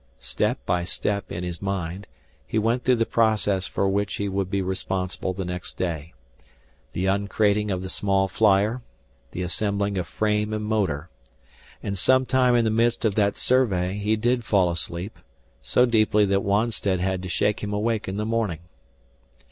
Step by step in his mind, he went through the process for which he would be responsible the next day. The uncrating of the small flyer, the assembling of frame and motor. And sometime in the midst of that survey he did fall asleep, so deeply that Wonstead had to shake him awake in the morning.